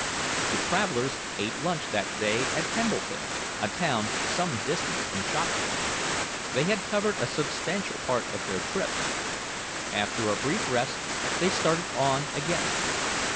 The travelers ate lunch that day at Pendleton, a town some distance from Shopton. They had covered a substantial part of their trip. After a brief rest they started on again.